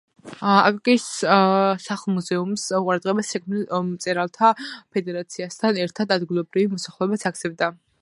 აკაკის სახლ-მუზეუმს ყურადღებას შექმნილ მწერალთა ფედერაციასთან ერთად, ადგილობრივი მოსახლეობაც აქცევდა.